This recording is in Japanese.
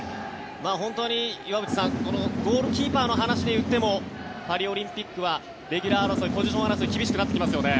本当に岩渕さんゴールキーパーの話でいってもパリオリンピックはレギュラー争いポジション争いが厳しくなってきますよね。